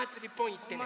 いってね。